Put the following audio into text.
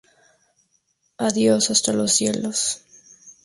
Adiós ¡hasta los cielos!